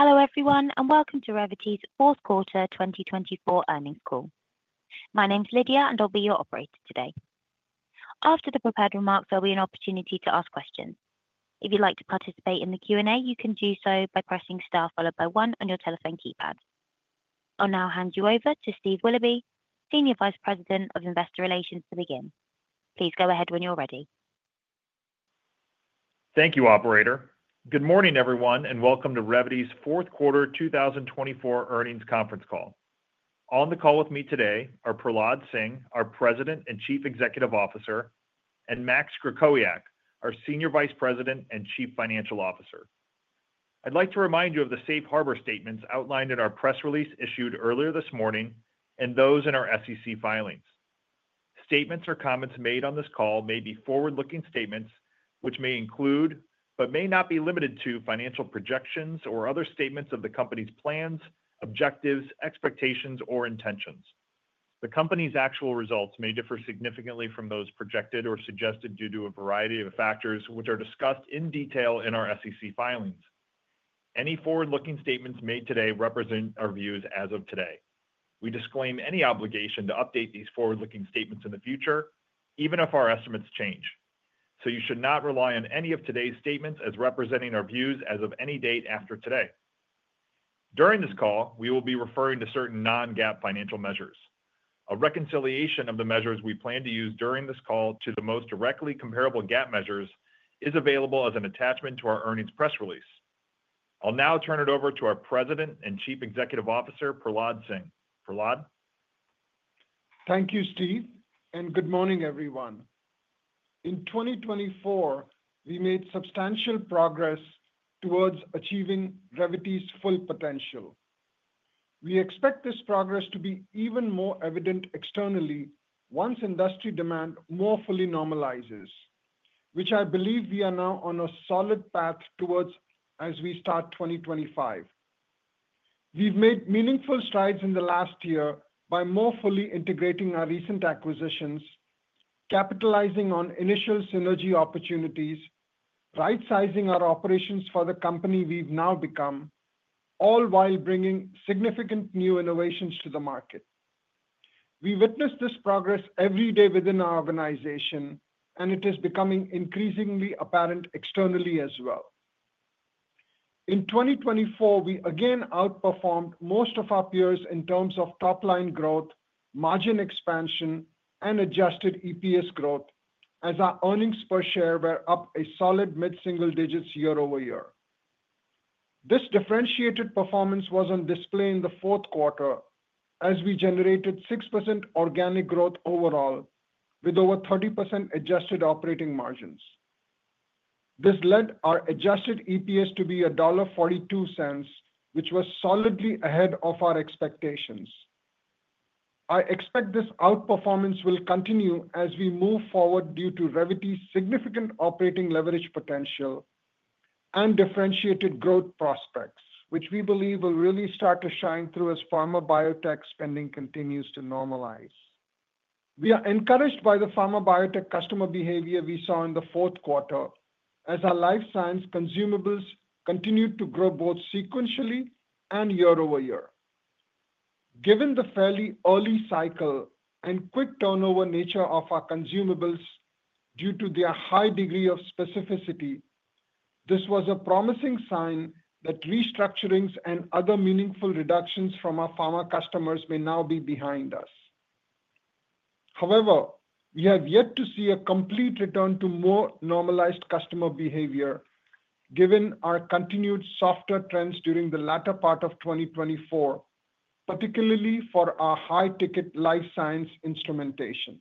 Hello everyone, and welcome to Revvity's Fourth Quarter 2024 Earnings Call. My name's Lydia, and I'll be your operator today. After the prepared remarks, there'll be an opportunity to ask questions. If you'd like to participate in the Q&A, you can do so by pressing STAR followed by 1 on your telephone keypad. I'll now hand you over to Steve Willoughby, Senior Vice President of Investor Relations, to begin. Please go ahead when you're ready. Thank you, Operator. Good morning, everyone, and welcome to Revvity's fourth quarter 2024 earnings conference call. On the call with me today are Prahlad Singh, our President and Chief Executive Officer, and Max Krakowiak, our Senior Vice President and Chief Financial Officer. I'd like to remind you of the safe harbor statements outlined in our press release issued earlier this morning and those in our SEC filings. Statements or comments made on this call may be forward-looking statements, which may include, but may not be limited to, financial projections or other statements of the company's plans, objectives, expectations, or intentions. The company's actual results may differ significantly from those projected or suggested due to a variety of factors, which are discussed in detail in our SEC filings. Any forward-looking statements made today represent our views as of today. We disclaim any obligation to update these forward-looking statements in the future, even if our estimates change, so you should not rely on any of today's statements as representing our views as of any date after today. During this call, we will be referring to certain non-GAAP financial measures. A reconciliation of the measures we plan to use during this call to the most directly comparable GAAP measures is available as an attachment to our earnings press release. I'll now turn it over to our President and Chief Executive Officer, Prahlad Singh. Prahlad? Thank you, Steve, and good morning, everyone. In 2024, we made substantial progress towards achieving Revvity's full potential. We expect this progress to be even more evident externally once industry demand more fully normalizes, which I believe we are now on a solid path towards as we start 2025. We've made meaningful strides in the last year by more fully integrating our recent acquisitions, capitalizing on initial synergy opportunities, right-sizing our operations for the company we've now become, all while bringing significant new innovations to the market. We witness this progress every day within our organization, and it is becoming increasingly apparent externally as well. In 2024, we again outperformed most of our peers in terms of top-line growth, margin expansion, and Adjusted EPS growth, as our earnings per share were up a solid mid-single digits year-over-year. This differentiated performance was on display in the fourth quarter, as we generated 6% organic growth overall, with over 30% adjusted operating margins. This led our adjusted EPS to be $1.42, which was solidly ahead of our expectations. I expect this outperformance will continue as we move forward due to Revvity's significant operating leverage potential and differentiated growth prospects, which we believe will really start to shine through as pharma biotech spending continues to normalize. We are encouraged by the pharma biotech customer behavior we saw in the fourth quarter, as our life science consumables continued to grow both sequentially and year-over-year. Given the fairly early cycle and quick turnover nature of our consumables due to their high degree of specificity, this was a promising sign that restructurings and other meaningful reductions from our pharma customers may now be behind us. However, we have yet to see a complete return to more normalized customer behavior, given our continued softer trends during the latter part of 2024, particularly for our high-ticket life science instrumentation.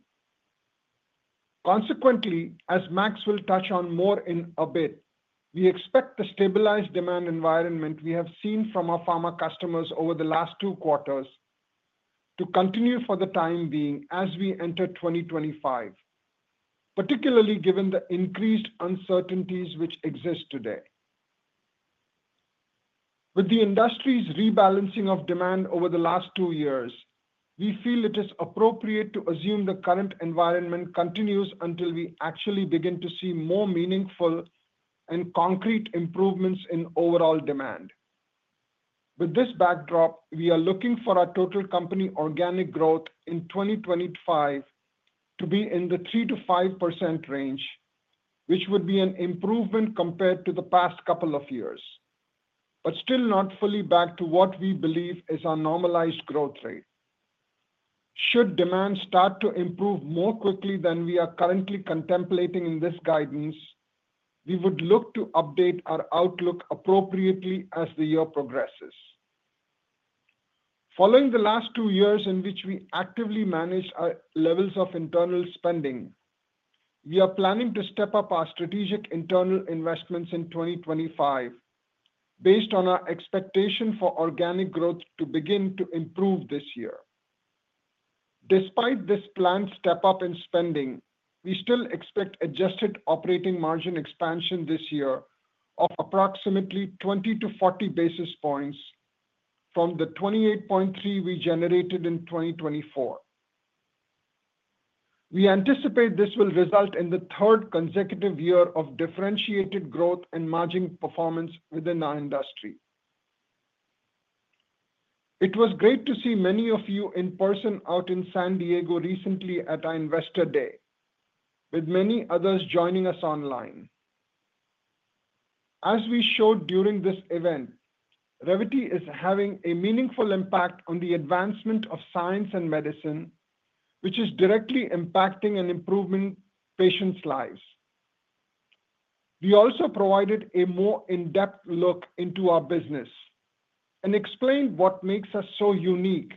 Consequently, as Max will touch on more in a bit, we expect the stabilized demand environment we have seen from our pharma customers over the last two quarters to continue for the time being as we enter 2025, particularly given the increased uncertainties which exist today. With the industry's rebalancing of demand over the last two years, we feel it is appropriate to assume the current environment continues until we actually begin to see more meaningful and concrete improvements in overall demand. With this backdrop, we are looking for our total company organic growth in 2025 to be in the 3%-5% range, which would be an improvement compared to the past couple of years, but still not fully back to what we believe is our normalized growth rate. Should demand start to improve more quickly than we are currently contemplating in this guidance, we would look to update our outlook appropriately as the year progresses. Following the last two years in which we actively managed our levels of internal spending, we are planning to step up our strategic internal investments in 2025, based on our expectation for organic growth to begin to improve this year. Despite this planned step-up in spending, we still expect adjusted operating margin expansion this year of approximately 20-40 basis points from the 28.3% we generated in 2024. We anticipate this will result in the third consecutive year of differentiated growth and margin performance within our industry. It was great to see many of you in person out in San Diego recently at our Investor Day, with many others joining us online. As we showed during this event, Revvity is having a meaningful impact on the advancement of science and medicine, which is directly impacting and improving patients' lives. We also provided a more in-depth look into our business and explained what makes us so unique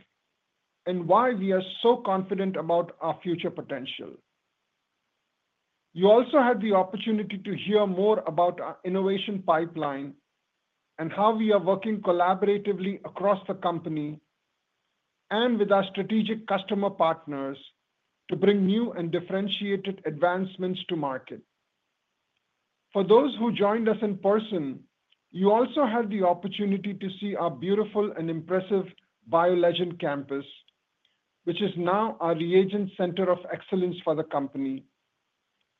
and why we are so confident about our future potential. You also had the opportunity to hear more about our innovation pipeline and how we are working collaboratively across the company and with our strategic customer partners to bring new and differentiated advancements to market. For those who joined us in person, you also had the opportunity to see our beautiful and impressive BioLegend campus, which is now our reagent center of excellence for the company,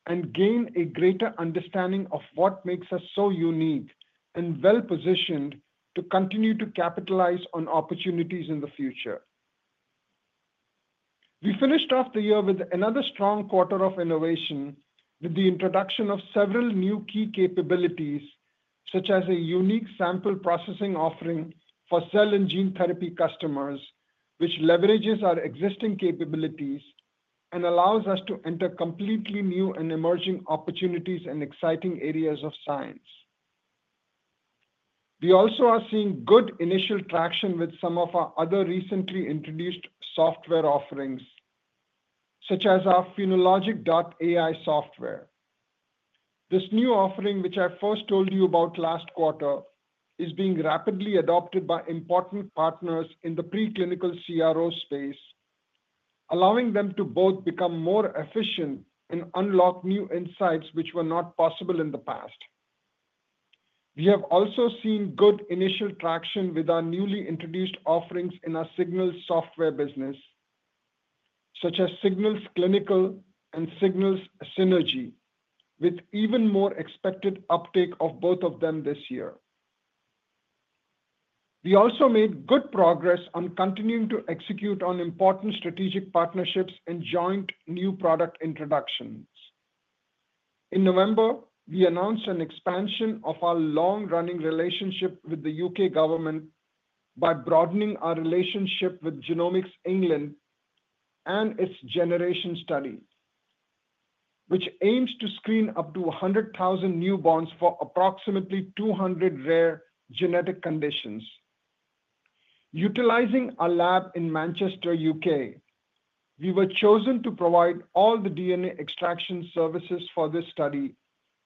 and gain a greater understanding of what makes us so unique and well-positioned to continue to capitalize on opportunities in the future. We finished off the year with another strong quarter of innovation, with the introduction of several new key capabilities, such as a unique sample processing offering for cell and gene therapy customers, which leverages our existing capabilities and allows us to enter completely new and emerging opportunities and exciting areas of science. We also are seeing good initial traction with some of our other recently introduced software offerings, such as our PhenoLogic.AI software. This new offering, which I first told you about last quarter, is being rapidly adopted by important partners in the preclinical CRO space, allowing them to both become more efficient and unlock new insights which were not possible in the past. We have also seen good initial traction with our newly introduced offerings in our Signals software business, such as Signals Clinical and Signals Synergy, with even more expected uptake of both of them this year. We also made good progress on continuing to execute on important strategic partnerships and joint new product introductions. In November, we announced an expansion of our long-running relationship with the U.K. government by broadening our relationship with Genomics England and its Generation Study, which aims to screen up to 100,000 newborns for approximately 200 rare genetic conditions. Utilizing our lab in Manchester, U.K., we were chosen to provide all the DNA extraction services for this study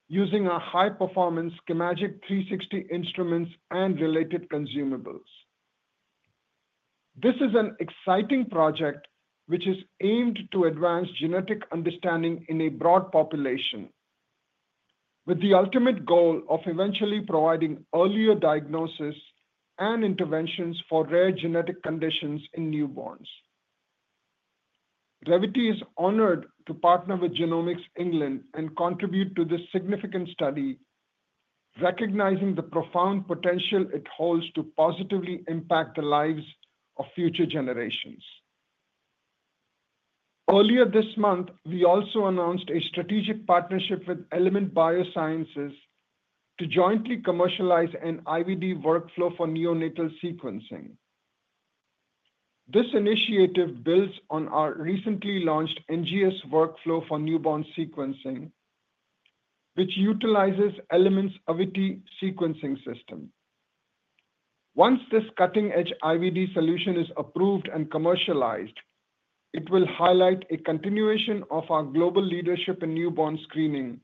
using our high-performance chemagic 360 instruments and related consumables. This is an exciting project which is aimed to advance genetic understanding in a broad population, with the ultimate goal of eventually providing earlier diagnosis and interventions for rare genetic conditions in newborns. Revvity is honored to partner with Genomics England and contribute to this significant study, recognizing the profound potential it holds to positively impact the lives of future generations. Earlier this month, we also announced a strategic partnership with Element Biosciences to jointly commercialize an IVD workflow for neonatal sequencing. This initiative builds on our recently launched NGS workflow for newborn sequencing, which utilizes Element's AVITI sequencing system. Once this cutting-edge IVD solution is approved and commercialized, it will highlight a continuation of our global leadership in newborn screening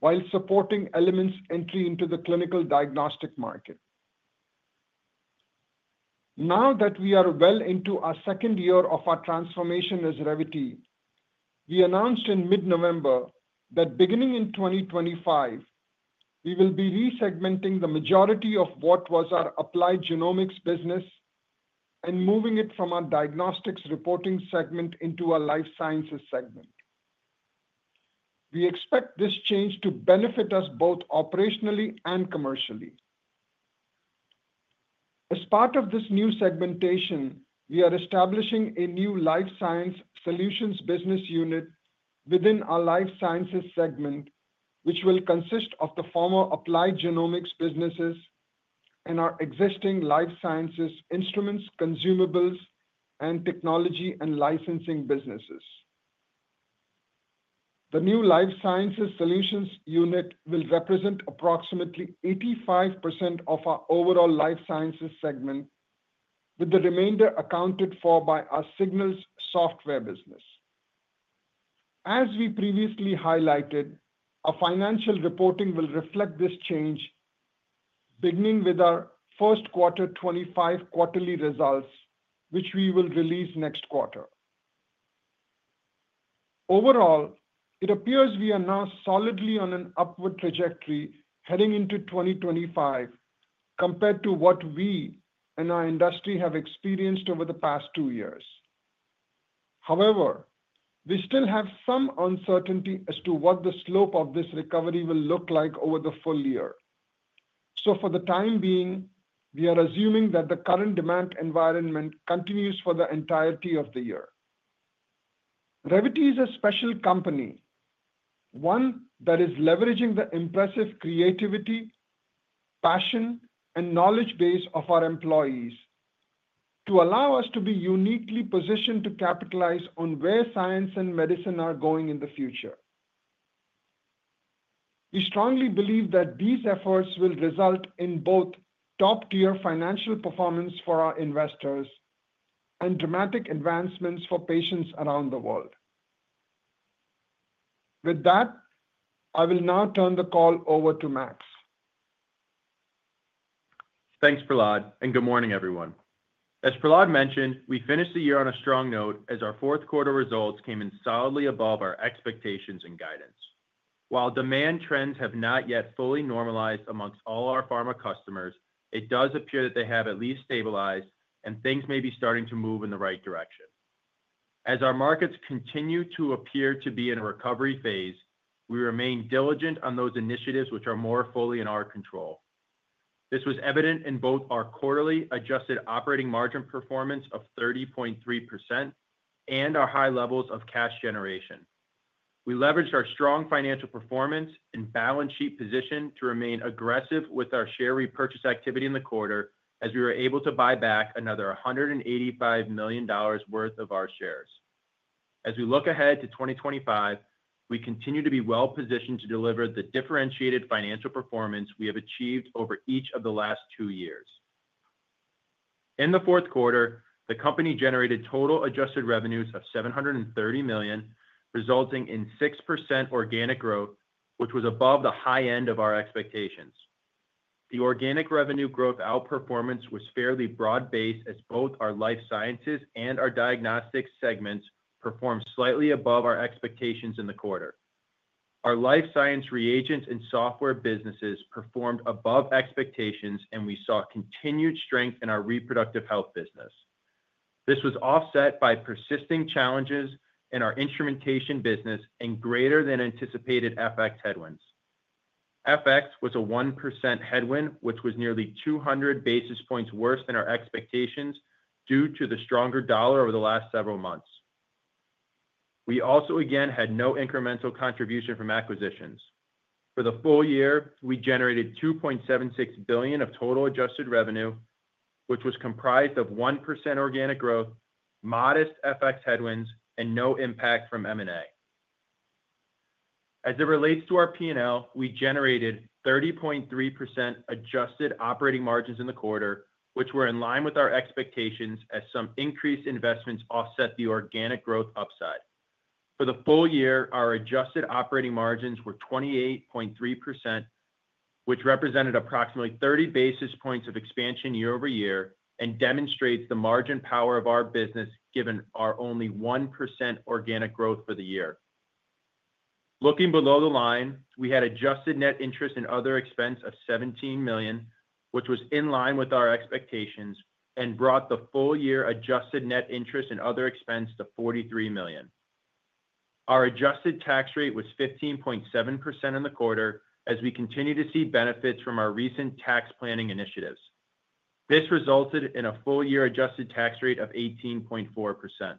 while supporting Element's entry into the clinical diagnostic market. Now that we are well into our second year of our transformation as Revvity, we announced in mid-November that beginning in 2025, we will be resegmenting the majority of what was our applied genomics business and moving it from our diagnostics reporting segment into our life sciences segment. We expect this change to benefit us both operationally and commercially. As part of this new segmentation, we are establishing a new life science solutions business unit within our life sciences segment, which will consist of the former applied genomics businesses and our existing life sciences instruments, consumables, and technology and licensing businesses. The new life sciences solutions unit will represent approximately 85% of our overall life sciences segment, with the remainder accounted for by our Signals software business. As we previously highlighted, our financial reporting will reflect this change, beginning with our first quarter 2025 quarterly results, which we will release next quarter. Overall, it appears we are now solidly on an upward trajectory heading into 2025 compared to what we and our industry have experienced over the past two years. However, we still have some uncertainty as to what the slope of this recovery will look like over the full year. So for the time being, we are assuming that the current demand environment continues for the entirety of the year. Revvity is a special company, one that is leveraging the impressive creativity, passion, and knowledge base of our employees to allow us to be uniquely positioned to capitalize on where science and medicine are going in the future. We strongly believe that these efforts will result in both top-tier financial performance for our investors and dramatic advancements for patients around the world. With that, I will now turn the call over to Max. Thanks, Prahlad, and good morning, everyone. As Prahlad mentioned, we finished the year on a strong note as our fourth quarter results came in solidly above our expectations and guidance. While demand trends have not yet fully normalized among all our pharma customers, it does appear that they have at least stabilized, and things may be starting to move in the right direction. As our markets continue to appear to be in a recovery phase, we remain diligent on those initiatives which are more fully in our control. This was evident in both our quarterly adjusted operating margin performance of 30.3% and our high levels of cash generation. We leveraged our strong financial performance and balance sheet position to remain aggressive with our share repurchase activity in the quarter, as we were able to buy back another $185 million worth of our shares. As we look ahead to 2025, we continue to be well-positioned to deliver the differentiated financial performance we have achieved over each of the last two years. In the fourth quarter, the company generated total adjusted revenues of $730 million, resulting in 6% organic growth, which was above the high end of our expectations. The organic revenue growth outperformance was fairly broad-based, as both our life sciences and our diagnostics segments performed slightly above our expectations in the quarter. Our life science reagents and software businesses performed above expectations, and we saw continued strength in our reproductive health business. This was offset by persisting challenges in our instrumentation business and greater-than-anticipated FX headwinds. FX was a 1% headwind, which was nearly 200 basis points worse than our expectations due to the stronger dollar over the last several months. We also again had no incremental contribution from acquisitions. For the full year, we generated $2.76 billion of total adjusted revenue, which was comprised of 1% organic growth, modest FX headwinds, and no impact from M&A. As it relates to our P&L, we generated 30.3% adjusted operating margins in the quarter, which were in line with our expectations as some increased investments offset the organic growth upside. For the full year, our adjusted operating margins were 28.3%, which represented approximately 30 basis points of expansion year-over-year and demonstrates the margin power of our business given our only 1% organic growth for the year. Looking below the line, we had adjusted net interest and other expense of $17 million, which was in line with our expectations and brought the full-year adjusted net interest and other expense to $43 million. Our adjusted tax rate was 15.7% in the quarter, as we continue to see benefits from our recent tax planning initiatives. This resulted in a full-year adjusted tax rate of 18.4%.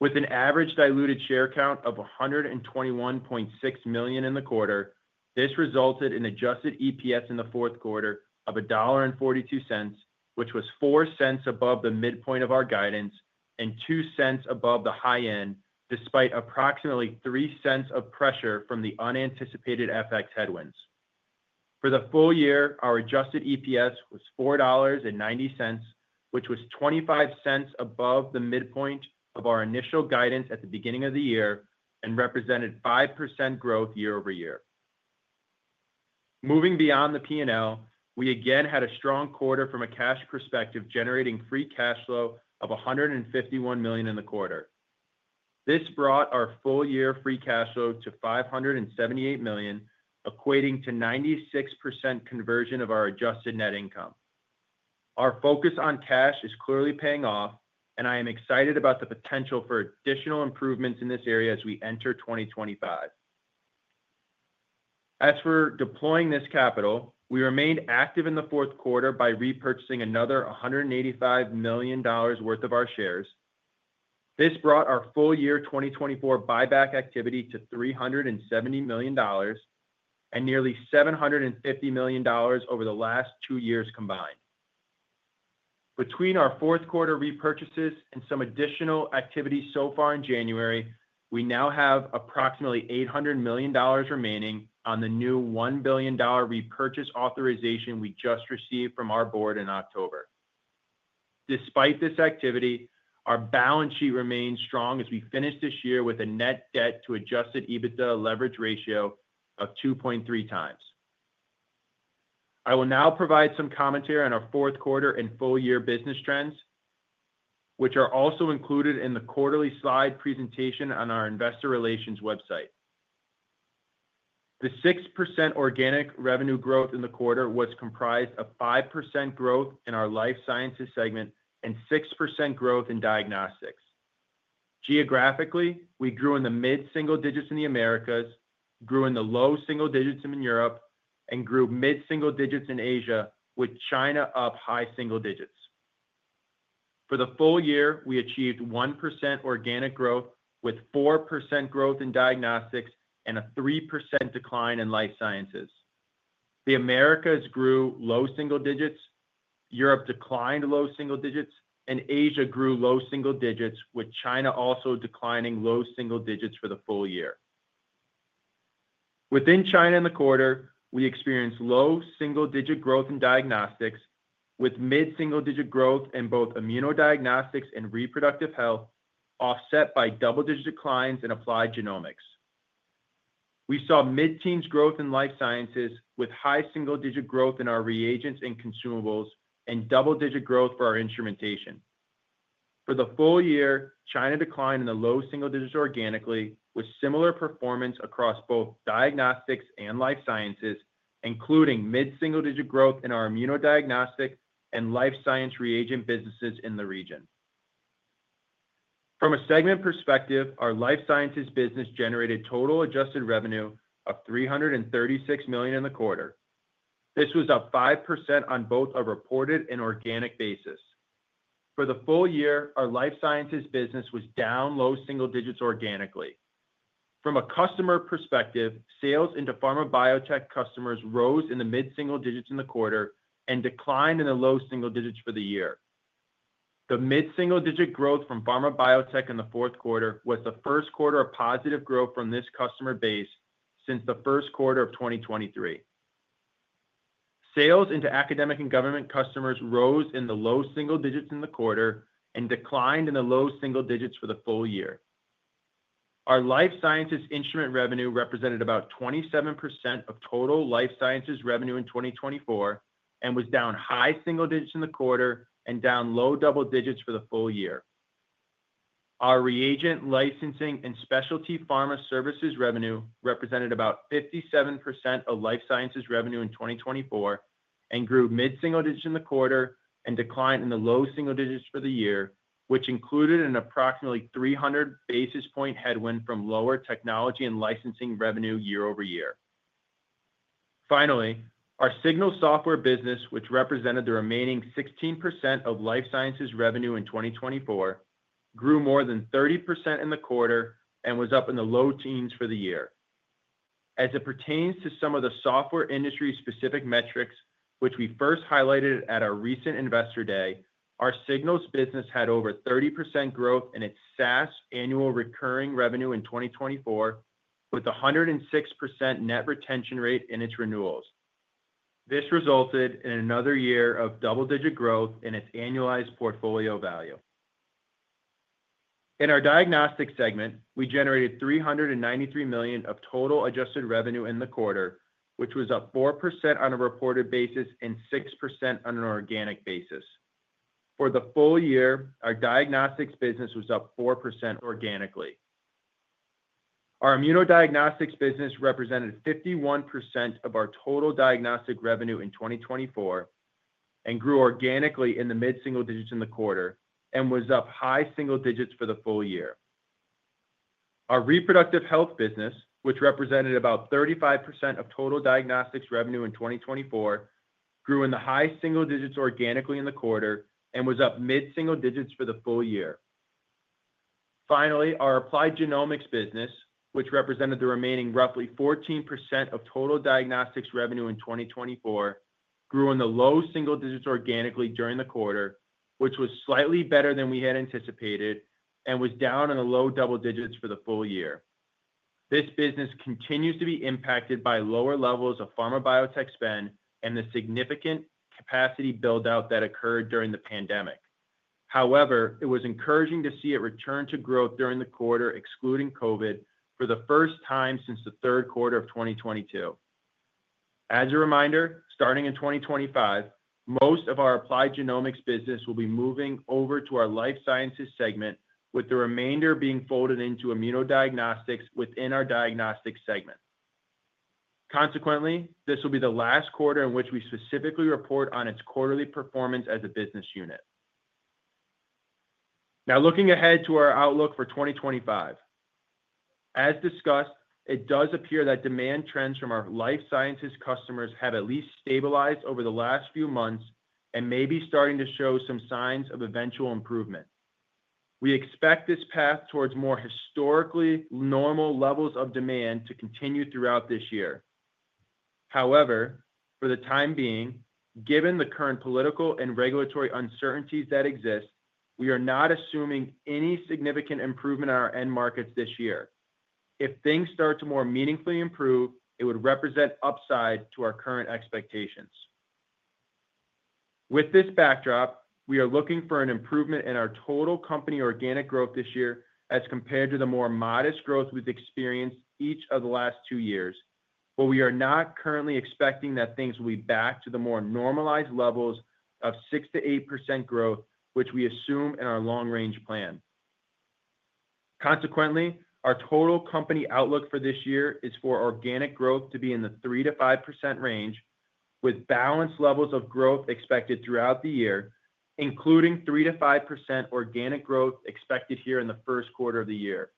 With an average diluted share count of 121.6 million in the quarter, this resulted in adjusted EPS in the fourth quarter of $1.42, which was $0.04 above the midpoint of our guidance and $0.02 above the high end, despite approximately $0.03 of pressure from the unanticipated FX headwinds. For the full year, our adjusted EPS was $4.90, which was $0.25 above the midpoint of our initial guidance at the beginning of the year and represented 5% growth year-over-year. Moving beyond the P&L, we again had a strong quarter from a cash perspective, generating free cash flow of $151 million in the quarter. This brought our full-year free cash flow to $578 million, equating to 96% conversion of our adjusted net income. Our focus on cash is clearly paying off, and I am excited about the potential for additional improvements in this area as we enter 2025. As for deploying this capital, we remained active in the fourth quarter by repurchasing another $185 million worth of our shares. This brought our full-year 2024 buyback activity to $370 million and nearly $750 million over the last two years combined. Between our fourth quarter repurchases and some additional activity so far in January, we now have approximately $800 million remaining on the new $1 billion repurchase authorization we just received from our board in October. Despite this activity, our balance sheet remains strong as we finish this year with a net debt to adjusted EBITDA leverage ratio of 2.3 times. I will now provide some commentary on our fourth quarter and full-year business trends, which are also included in the quarterly slide presentation on our investor relations website. The 6% organic revenue growth in the quarter was comprised of 5% growth in our life sciences segment and 6% growth in diagnostics. Geographically, we grew in the mid-single digits in the Americas, grew in the low single digits in Europe, and grew mid-single digits in Asia, with China up high single digits. For the full year, we achieved 1% organic growth with 4% growth in diagnostics and a 3% decline in life sciences. The Americas grew low single digits, Europe declined low single digits, and Asia grew low single digits, with China also declining low single digits for the full year. Within China in the quarter, we experienced low single-digit growth in diagnostics, with mid-single-digit growth in both immunodiagnostics and reproductive health, offset by double-digit declines in applied genomics. We saw mid-teens growth in life sciences with high single-digit growth in our reagents and consumables and double-digit growth for our instrumentation. For the full year, China declined in the low single digits organically, with similar performance across both diagnostics and life sciences, including mid-single-digit growth in our immunodiagnostic and life science reagent businesses in the region. From a segment perspective, our life sciences business generated total adjusted revenue of $336 million in the quarter. This was up 5% on both a reported and organic basis. For the full year, our life sciences business was down low single digits organically. From a customer perspective, sales into pharma biotech customers rose in the mid-single digits in the quarter and declined in the low single digits for the year. The mid-single digit growth from pharma biotech in the fourth quarter was the first quarter of positive growth from this customer base since the first quarter of 2023. Sales into academic and government customers rose in the low single digits in the quarter and declined in the low single digits for the full year. Our life sciences instrument revenue represented about 27% of total life sciences revenue in 2024 and was down high single digits in the quarter and down low double digits for the full year. Our reagent, licensing, and specialty pharma services revenue represented about 57% of life sciences revenue in 2024 and grew mid-single digits in the quarter and declined in the low single digits for the year, which included an approximately 300 basis point headwind from lower technology and licensing revenue year-over-year. Finally, our Signals software business, which represented the remaining 16% of life sciences revenue in 2024, grew more than 30% in the quarter and was up in the low teens for the year. As it pertains to some of the software industry-specific metrics, which we first highlighted at our recent investor day, our Signals business had over 30% growth in its SaaS annual recurring revenue in 2024, with a 106% net retention rate in its renewals. This resulted in another year of double-digit growth in its annualized portfolio value. In our diagnostics segment, we generated $393 million of total adjusted revenue in the quarter, which was up 4% on a reported basis and 6% on an organic basis. For the full year, our diagnostics business was up 4% organically. Our immunodiagnostics business represented 51% of our total diagnostic revenue in 2024 and grew organically in the mid-single digits in the quarter and was up high single digits for the full year. Our reproductive health business, which represented about 35% of total diagnostics revenue in 2024, grew in the high single digits organically in the quarter and was up mid-single digits for the full year. Finally, our applied genomics business, which represented the remaining roughly 14% of total diagnostics revenue in 2024, grew in the low single digits organically during the quarter, which was slightly better than we had anticipated and was down in the low double digits for the full year. This business continues to be impacted by lower levels of pharma biotech spend and the significant capacity buildout that occurred during the pandemic. However, it was encouraging to see it return to growth during the quarter, excluding COVID, for the first time since the third quarter of 2022. As a reminder, starting in 2025, most of our applied genomics business will be moving over to our life sciences segment, with the remainder being folded into immunodiagnostics within our diagnostics segment. Consequently, this will be the last quarter in which we specifically report on its quarterly performance as a business unit. Now, looking ahead to our outlook for 2025, as discussed, it does appear that demand trends from our life sciences customers have at least stabilized over the last few months and may be starting to show some signs of eventual improvement. We expect this path towards more historically normal levels of demand to continue throughout this year. However, for the time being, given the current political and regulatory uncertainties that exist, we are not assuming any significant improvement on our end markets this year. If things start to more meaningfully improve, it would represent upside to our current expectations. With this backdrop, we are looking for an improvement in our total company organic growth this year as compared to the more modest growth we've experienced each of the last two years, but we are not currently expecting that things will be back to the more normalized levels of 6%-8% growth, which we assume in our Long-Range Plan. Consequently, our total company outlook for this year is for organic growth to be in the 3%-5% range, with balanced levels of growth expected throughout the year, including 3%-5% organic growth expected here in the first quarter of the year.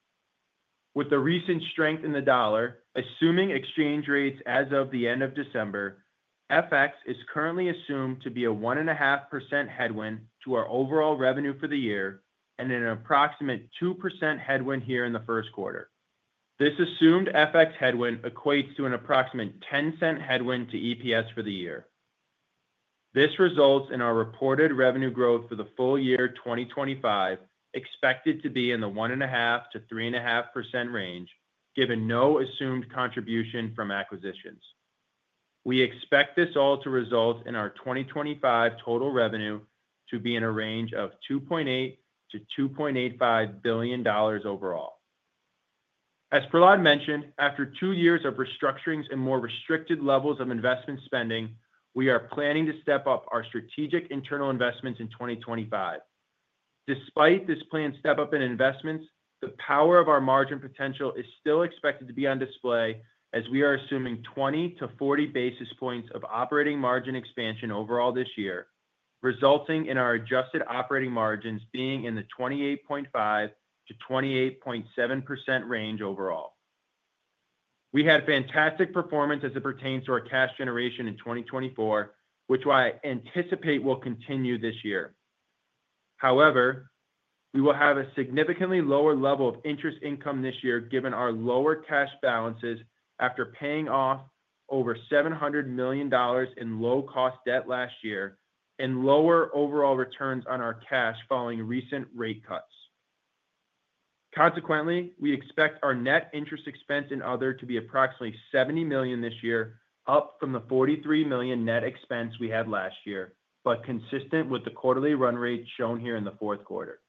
With the recent strength in the dollar, assuming exchange rates as of the end of December, FX is currently assumed to be a 1.5% headwind to our overall revenue for the year and an approximate 2% headwind here in the first quarter. This assumed FX headwind equates to an approximate 10% headwind to EPS for the year. This results in our reported revenue growth for the full year 2025 expected to be in the 1.5%-3.5% range, given no assumed contribution from acquisitions. We expect this all to result in our 2025 total revenue to be in a range of $2.8-$2.85 billion overall. As Prahlad mentioned, after two years of restructurings and more restricted levels of investment spending, we are planning to step up our strategic internal investments in 2025. Despite this planned step-up in investments, the power of our margin potential is still expected to be on display as we are assuming 20 to 40 basis points of operating margin expansion overall this year, resulting in our adjusted operating margins being in the 28.5%-28.7% range overall. We had fantastic performance as it pertains to our cash generation in 2024, which I anticipate will continue this year. However, we will have a significantly lower level of interest income this year given our lower cash balances after paying off over $700 million in low-cost debt last year and lower overall returns on our cash following recent rate cuts. Consequently, we expect our net interest and other expense to be approximately $70 million this year, up from the $43 million net expense we had last year, but consistent with the quarterly run rate shown here in the fourth quarter.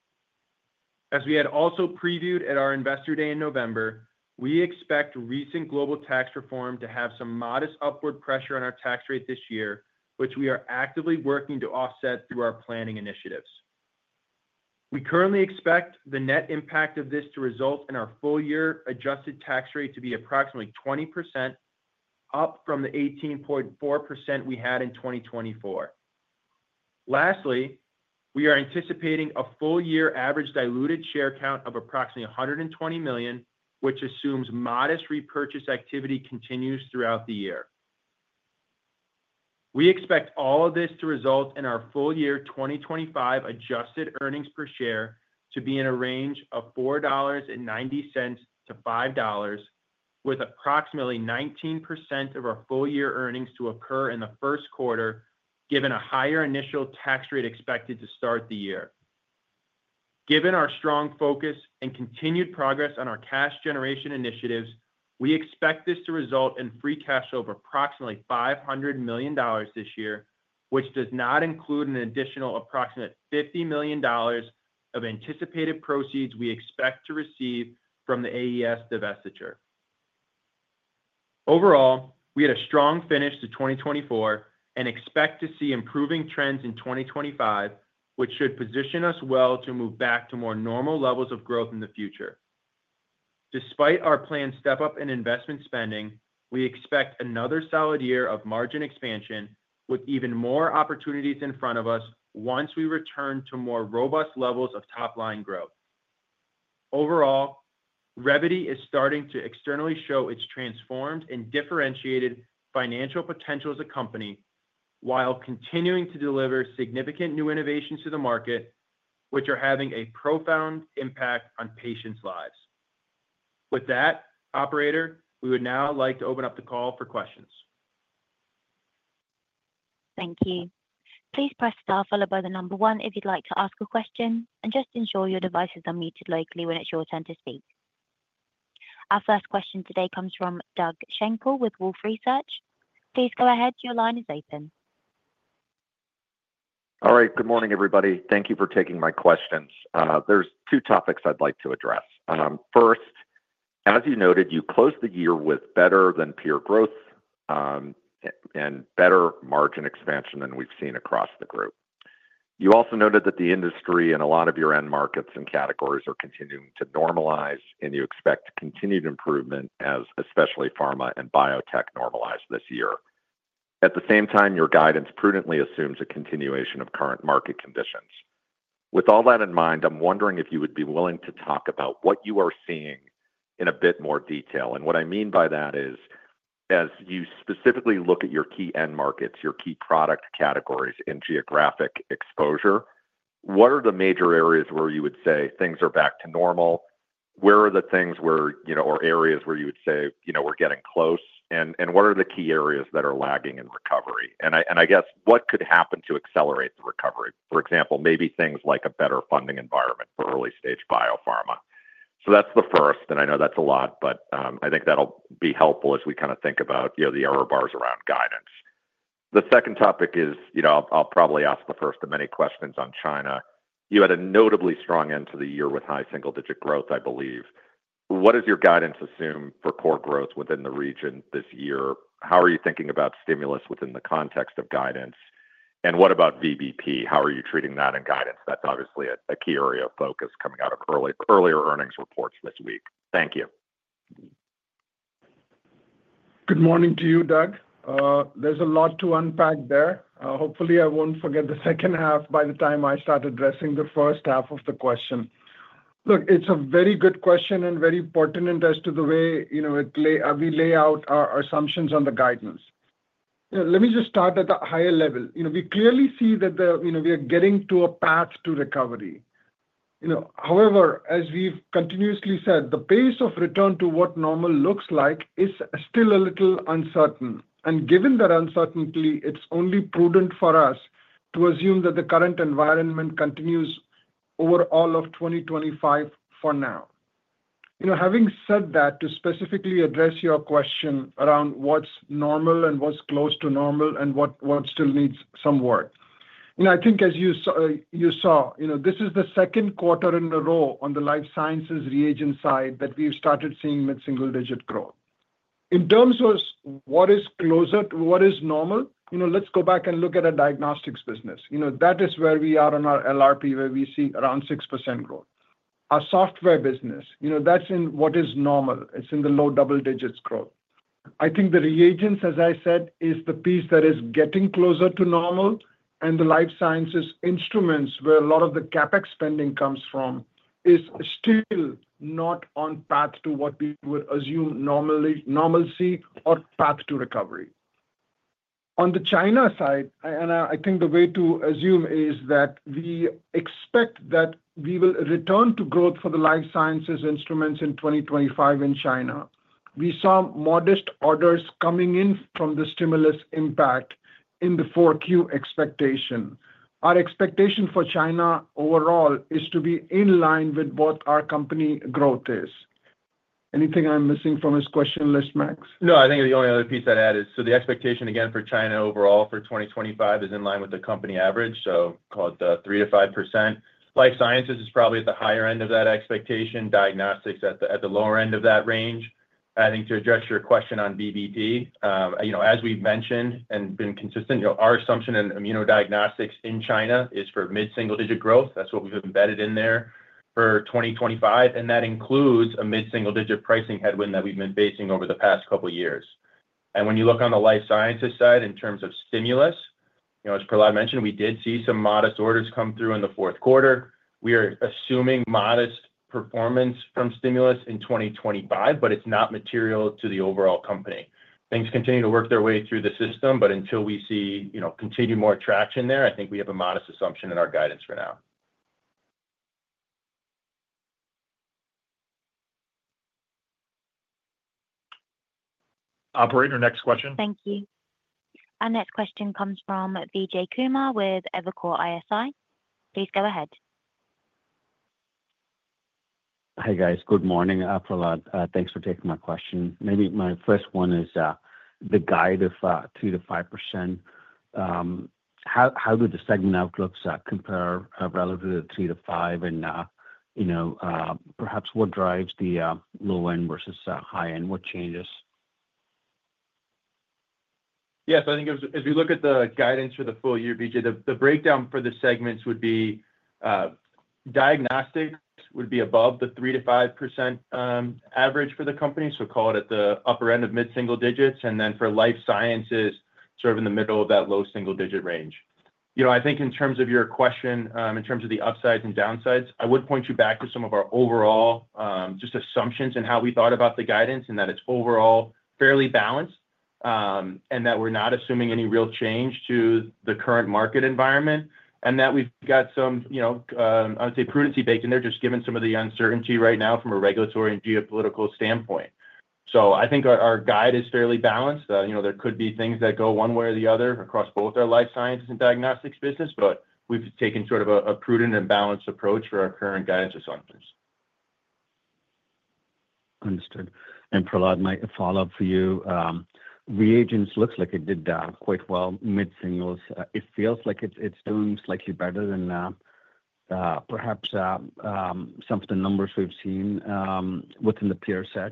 As we had also previewed at our investor day in November, we expect recent global tax reform to have some modest upward pressure on our tax rate this year, which we are actively working to offset through our planning initiatives. We currently expect the net impact of this to result in our full-year adjusted tax rate to be approximately 20%, up from the 18.4% we had in 2024. Lastly, we are anticipating a full-year average diluted share count of approximately 120 million, which assumes modest repurchase activity continues throughout the year. We expect all of this to result in our full-year 2025 adjusted earnings per share to be in a range of $4.90-$5.00, with approximately 19% of our full-year earnings to occur in the first quarter, given a higher initial tax rate expected to start the year. Given our strong focus and continued progress on our cash generation initiatives, we expect this to result in free cash flow of approximately $500 million this year, which does not include an additional approximate $50 million of anticipated proceeds we expect to receive from the AES divestiture. Overall, we had a strong finish to 2024 and expect to see improving trends in 2025, which should position us well to move back to more normal levels of growth in the future. Despite our planned step-up in investment spending, we expect another solid year of margin expansion, with even more opportunities in front of us once we return to more robust levels of top-line growth. Overall, Revvity is starting to externally show its transformed and differentiated financial potential as a company, while continuing to deliver significant new innovations to the market, which are having a profound impact on patients' lives. With that, Operator, we would now like to open up the call for questions. Thank you. Please press star followed by the number one if you'd like to ask a question, and just ensure your devices are muted locally when it's your turn to speak. Our first question today comes from Doug Schenkel with Wolfe Research. Please go ahead. Your line is open. All right. Good morning, everybody. Thank you for taking my questions. There's two topics I'd like to address. First, as you noted, you closed the year with better than peer growth and better margin expansion than we've seen across the group. You also noted that the industry and a lot of your end markets and categories are continuing to normalize, and you expect continued improvement, especially pharma and biotech, normalize this year. At the same time, your guidance prudently assumes a continuation of current market conditions. With all that in mind, I'm wondering if you would be willing to talk about what you are seeing in a bit more detail. And what I mean by that is, as you specifically look at your key end markets, your key product categories, and geographic exposure, what are the major areas where you would say things are back to normal? Where are the things or areas where you would say we're getting close? And what are the key areas that are lagging in recovery? And I guess, what could happen to accelerate the recovery? For example, maybe things like a better funding environment for early-stage biopharma. So that's the first. And I know that's a lot, but I think that'll be helpful as we kind of think about the error bars around guidance. The second topic is I'll probably ask the first of many questions on China. You had a notably strong end to the year with high single-digit growth, I believe. What does your guidance assume for core growth within the region this year? How are you thinking about stimulus within the context of guidance? And what about VBP? How are you treating that in guidance? That's obviously a key area of focus coming out of earlier earnings reports this week. Thank you. Good morning to you, Doug. There's a lot to unpack there. Hopefully, I won't forget the second half by the time I start addressing the first half of the question. Look, it's a very good question and very pertinent as to the way we lay out our assumptions on the guidance. Let me just start at the higher level. We clearly see that we are getting to a path to recovery. However, as we've continuously said, the pace of return to what normal looks like is still a little uncertain. And given that uncertainty, it's only prudent for us to assume that the current environment continues over all of 2025 for now. Having said that, to specifically address your question around what's normal and what's close to normal and what still needs some work, I think, as you saw, this is the second quarter in a row on the life sciences reagent side that we've started seeing mid-single-digit growth. In terms of what is normal, let's go back and look at our diagnostics business. That is where we are on our LRP, where we see around 6% growth. Our software business, that's in what is normal. It's in the low double digits growth. I think the reagents, as I said, is the piece that is getting closer to normal. And the life sciences instruments, where a lot of the CapEx spending comes from, is still not on path to what we would assume normalcy or path to recovery. On the China side, and I think the way to assume is that we expect that we will return to growth for the life sciences instruments in 2025 in China. We saw modest orders coming in from the stimulus impact in the Q4 expectation. Our expectation for China overall is to be in line with what our company growth is. Anything I'm missing from his question list, Max? No, I think the only other piece I'd add is so the expectation, again, for China overall for 2025 is in line with the company average, so call it the 3%-5%. Life sciences is probably at the higher end of that expectation. Diagnostics at the lower end of that range. I think to address your question on VBP, as we've mentioned and been consistent, our assumption in immunodiagnostics in China is for mid-single-digit growth. That's what we've embedded in there for 2025. And that includes a mid-single-digit pricing headwind that we've been facing over the past couple of years. And when you look on the life sciences side in terms of stimulus, as Prahlad mentioned, we did see some modest orders come through in the fourth quarter. We are assuming modest performance from stimulus in 2025, but it's not material to the overall company. Things continue to work their way through the system, but until we see continued more traction there, I think we have a modest assumption in our guidance for now. Operator, next question. Thank you. Our next question comes from Vijay Kumar with Evercore ISI. Please go ahead. Hi guys. Good morning, Prahlad. Thanks for taking my question. Maybe my first one is the guidance of 2%-5%. How do the segment outlooks compare relative to 3%-5%? And perhaps what drives the low-end versus high-end? What changes? Yes. I think if you look at the guidance for the full year, Vijay, the breakdown for the segments would be diagnostics would be above the 3%-5% average for the company, so call it at the upper end of mid-single digits. And then for life sciences, sort of in the middle of that low single-digit range. I think in terms of your question, in terms of the upsides and downsides, I would point you back to some of our overall just assumptions and how we thought about the guidance and that it's overall fairly balanced and that we're not assuming any real change to the current market environment and that we've got some, I would say, prudence baked in there just given some of the uncertainty right now from a regulatory and geopolitical standpoint. So I think our guide is fairly balanced. There could be things that go one way or the other across both our life sciences and diagnostics business, but we've taken sort of a prudent and balanced approach for our current guidance assumptions. Understood. And Prahlad, my follow-up for you. Reagents looks like it did quite well mid-singles. It feels like it's doing slightly better than perhaps some of the numbers we've seen within the peer set.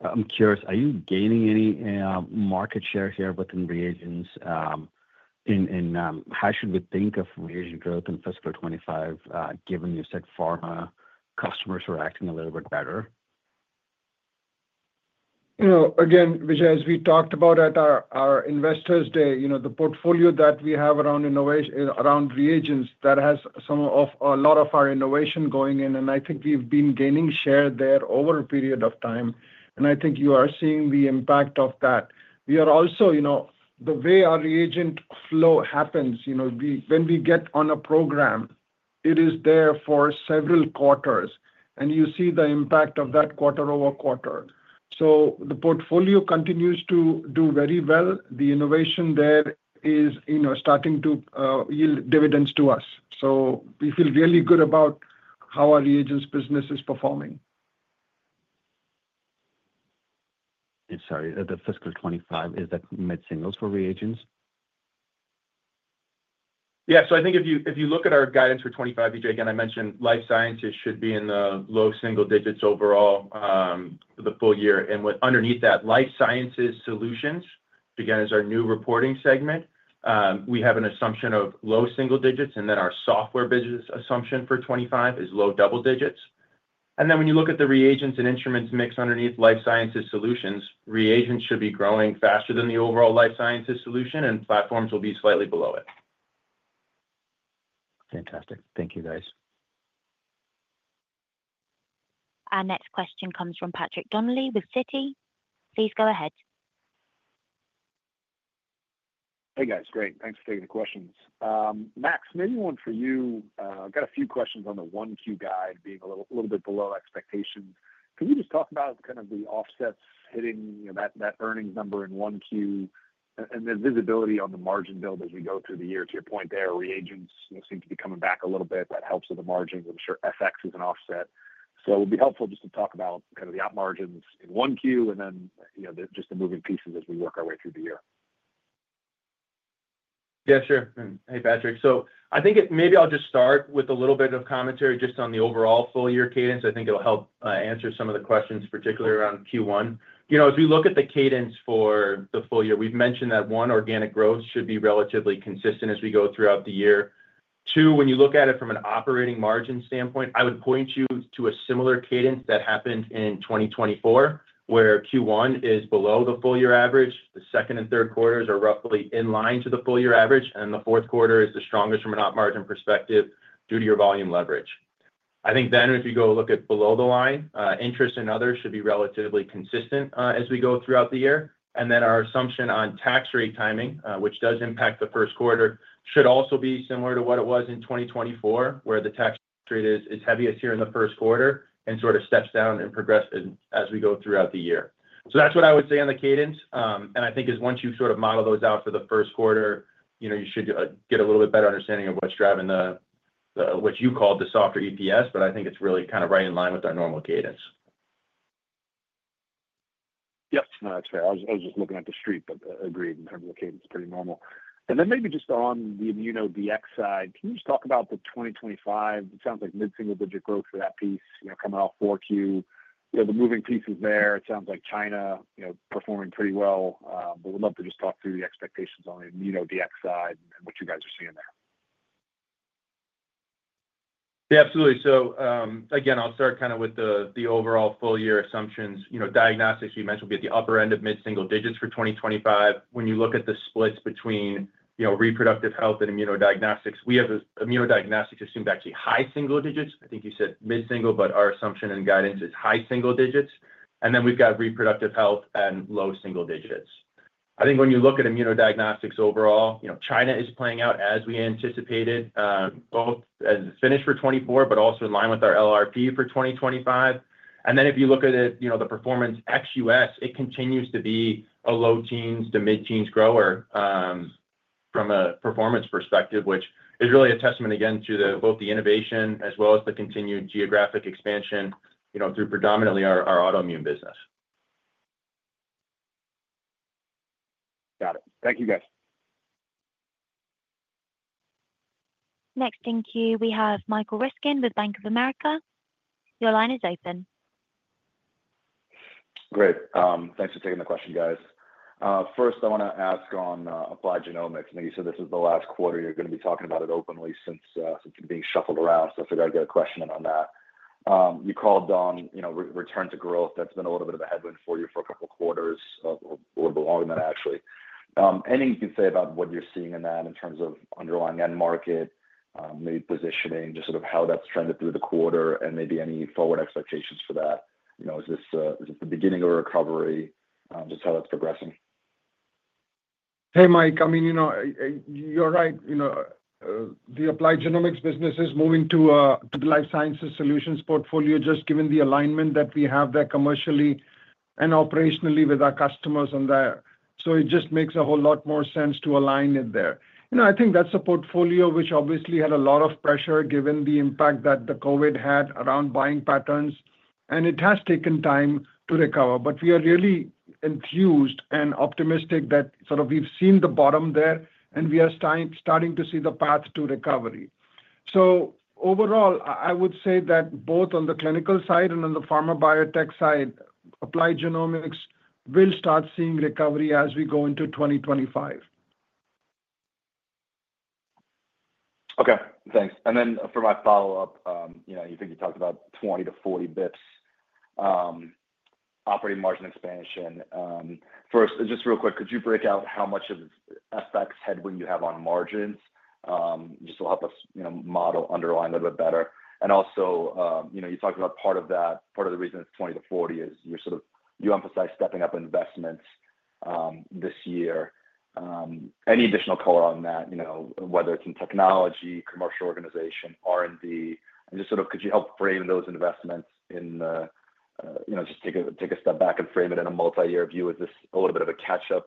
I'm curious, are you gaining any market share here within reagents? And how should we think of reagent growth in fiscal 25 given you said pharma customers are acting a little bit better? Again, Vijay, as we talked about at our Investors' Day, the portfolio that we have around reagents, that has some of a lot of our innovation going in, and I think we've been gaining share there over a period of time, and I think you are seeing the impact of that. We are also, the way our reagent flow happens, when we get on a program, it is there for several quarters, and you see the impact of that quarter-over-quarter, so the portfolio continues to do very well. The innovation there is starting to yield dividends to us. So we feel really good about how our reagents business is performing. Sorry, the fiscal 2025, is that mid-singles for reagents? Yeah. So I think if you look at our guidance for 2025, Vijay, again, I mentioned life sciences should be in the low single digits overall for the full year. And underneath that, life sciences solutions, again, is our new reporting segment. We have an assumption of low single digits. And then our software business assumption for 2025 is low double digits. And then when you look at the reagents and instruments mix underneath life sciences solutions, reagents should be growing faster than the overall life sciences solution, and platforms will be slightly below it. Fantastic. Thank you, guys. Our next question comes from Patrick Donnelly with Citi. Please go ahead. Hey, guys. Great. Thanks for taking the questions. Max, maybe one for you. I've got a few questions on the 1Q guide being a little bit below expectations. Can you just talk about kind of the offsets hitting that earnings number in 1Q and the visibility on the margin build as we go through the year? To your point there, reagents seem to be coming back a little bit. That helps with the margins. I'm sure FX is an offset. So it would be helpful just to talk about kind of the up margins in 1Q and then just the moving pieces as we work our way through the year. Yeah, sure. Hey, Patrick. So I think maybe I'll just start with a little bit of commentary just on the overall full-year cadence. I think it'll help answer some of the questions, particularly around Q1. As we look at the cadence for the full year, we've mentioned that one, organic growth should be relatively consistent as we go throughout the year. Two, when you look at it from an operating margin standpoint, I would point you to a similar cadence that happened in 2024, where Q1 is below the full-year average. The second and third quarters are roughly in line with the full-year average, and then the fourth quarter is the strongest from an op margin perspective due to our volume leverage. I think then if you go look at below the line, interest and others should be relatively consistent as we go throughout the year. And then our assumption on tax rate timing, which does impact the first quarter, should also be similar to what it was in 2024, where the tax rate is heaviest here in the first quarter and sort of steps down and progresses as we go throughout the year. So that's what I would say on the cadence. And I think once you sort of model those out for the first quarter, you should get a little bit better understanding of what's driving the what you called the softer EPS, but I think it's really kind of right in line with our normal cadence. Yep. No, that's fair. I was just looking at the street, but agreed in terms of the cadence, pretty normal. And then maybe just on the immuno DX side, can you just talk about the 2025? It sounds like mid-single-digit growth for that piece coming off Q4. The moving pieces there, it sounds like China performing pretty well. But we'd love to just talk through the expectations on the immuno Dx side and what you guys are seeing there. Yeah, absolutely. So again, I'll start kind of with the overall full-year assumptions. Diagnostics, you mentioned we'll be at the upper end of mid-single-digit digits for 2025. When you look at the splits between reproductive health and immunodiagnostics, we have immunodiagnostics assumed actually high single-digit digits. I think you said mid-single, but our assumption and guidance is high single-digit digits. And then we've got reproductive health and low single-digit digits. I think when you look at immunodiagnostics overall, China is playing out as we anticipated, both as it's finished for 2024, but also in line with our LRP for 2025. And then, if you look at the performance ex-US, it continues to be a low-teens to mid-teens grower from a performance perspective, which is really a testament again to both the innovation as well as the continued geographic expansion through predominantly our autoimmune business. Got it. Thank you, guys. Next, thank you. We have Michael Ryskin with Bank of America. Your line is open. Great. Thanks for taking the question, guys. First, I want to ask on applied genomics. I think you said this is the last quarter you're going to be talking about it openly since it's been being shuffled around. So I figured I'd get a question in on that. You called on return to growth. That's been a little bit of a headwind for you for a couple of quarters or below that, actually. Anything you can say about what you're seeing in that in terms of underlying end market, maybe positioning, just sort of how that's trended through the quarter, and maybe any forward expectations for that? Is this the beginning of a recovery? Just how that's progressing? Hey, Mike, I mean, you're right. The applied genomics business is moving to the life sciences solutions portfolio just given the alignment that we have there commercially and operationally with our customers on that. So it just makes a whole lot more sense to align it there. I think that's a portfolio which obviously had a lot of pressure given the impact that the COVID had around buying patterns, and it has taken time to recover, but we are really enthused and optimistic that sort of we've seen the bottom there, and we are starting to see the path to recovery. So overall, I would say that both on the clinical side and on the pharma biotech side, applied genomics will start seeing recovery as we go into 2025. Okay. Thanks. And then for my follow-up, you think you talked about 20-40 basis points operating margin expansion. First, just real quick, could you break out how much of FX headwind you have on margins? Just to help us model underlying a little bit better. And also you talked about part of that, part of the reason it's 20-40 is you emphasize stepping up investments this year. Any additional color on that, whether it's in technology, commercial organization, R&D? And just sort of could you help frame those investments in just take a step back and frame it in a multi-year view? Is this a little bit of a catch-up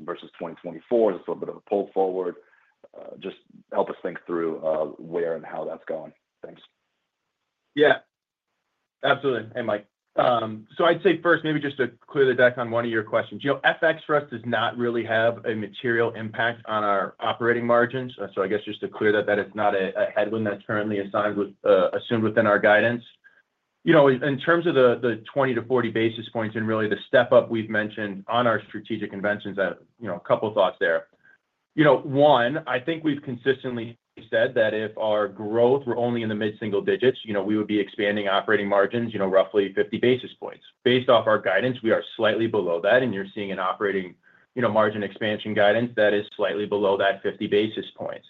versus 2024? Is this a little bit of a pull forward? Just help us think through where and how that's going. Thanks. Yeah. Absolutely. Hey, Mike. So I'd say first, maybe just to clear the deck on one of your questions. FX for us does not really have a material impact on our operating margins. So I guess just to clear that, that it's not a headwind that's currently assumed within our guidance. In terms of the 20-40 basis points and really the step-up we've mentioned on our strategic conventions, a couple of thoughts there. One, I think we've consistently said that if our growth were only in the mid-single digits, we would be expanding operating margins roughly 50 basis points. Based off our guidance, we are slightly below that. And you're seeing an operating margin expansion guidance that is slightly below that 50 basis points.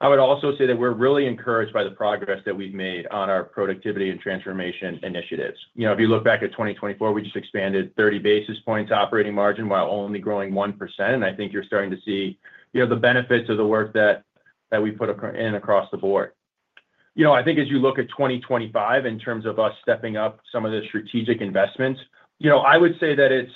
I would also say that we're really encouraged by the progress that we've made on our productivity and transformation initiatives. If you look back at 2024, we just expanded 30 basis points operating margin while only growing 1%. And I think you're starting to see the benefits of the work that we put in across the board. I think as you look at 2025 in terms of us stepping up some of the strategic investments, I would say that it's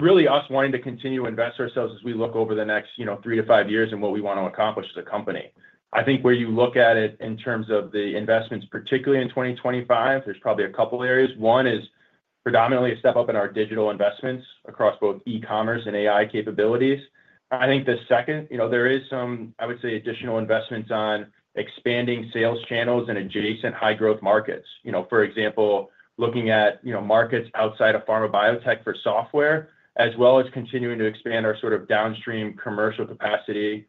really us wanting to continue to invest ourselves as we look over the next three to five years and what we want to accomplish as a company. I think where you look at it in terms of the investments, particularly in 2025, there's probably a couple of areas. One is predominantly a step-up in our digital investments across both e-commerce and AI capabilities. I think the second, there is some, I would say, additional investments on expanding sales channels and adjacent high-growth markets. For example, looking at markets outside of pharma biotech for software, as well as continuing to expand our sort of downstream commercial capacity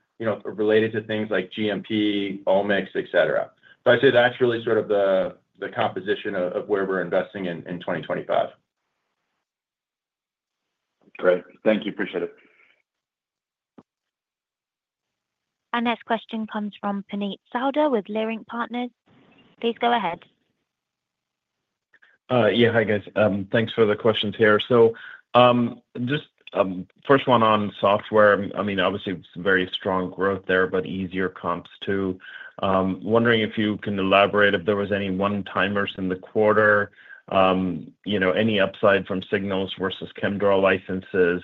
related to things like GMP, Omics, etc. So I'd say that's really sort of the composition of where we're investing in 2025. Great. Thank you. Appreciate it. Our next question comes from Puneet Souda with Leerink Partners. Please go ahead. Yeah. Hi, guys. Thanks for the questions here. So just first one on software. I mean, obviously, it's very strong growth there, but easier comps too. Wondering if you can elaborate if there was any one-timers in the quarter, any upside from Signals versus ChemDraw licenses.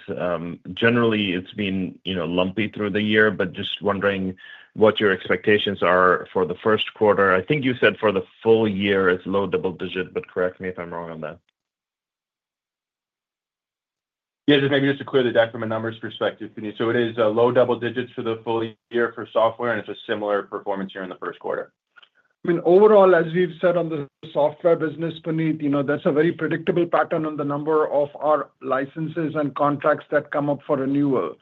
Generally, it's been lumpy through the year, but just wondering what your expectations are for the first quarter. I think you said for the full year it's low double digit, but correct me if I'm wrong on that. Yeah. Just maybe to clear the deck from a numbers perspective, Puneet. So it is low double digits for the full year for software, and it's a similar performance year-over-year in the first quarter. I mean, overall, as we've said on the software business, Puneet, that's a very predictable pattern on the number of our licenses and contracts that come up for renewal.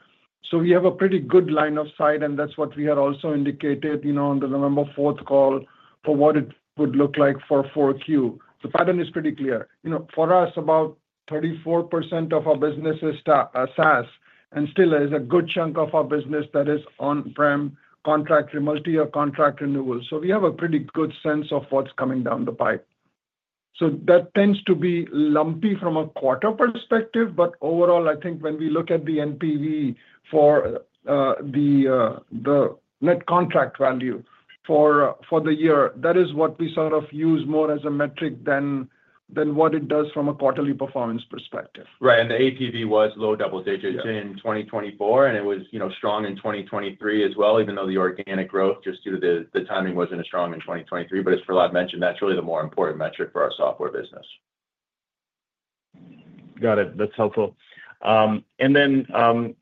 So we have a pretty good line of sight, and that's what we had also indicated on the November 4th call for what it would look like for Q4. The pattern is pretty clear. For us, about 34% of our business is SaaS, and still, there is a good chunk of our business that is on-prem contract, multi-year contract renewals. So we have a pretty good sense of what's coming down the pipe. So that tends to be lumpy from a quarter perspective. But overall, I think when we look at the NPV for the net contract value for the year, that is what we sort of use more as a metric than what it does from a quarterly performance perspective. Right. And the APV was low double digits in 2024, and it was strong in 2023 as well, even though the organic growth just due to the timing wasn't as strong in 2023. But as Prahlad mentioned, that's really the more important metric for our software business. Got it. That's helpful. And then